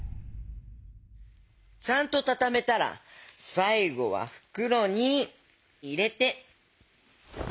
ちゃんとたためたらさいごはふくろにいれて。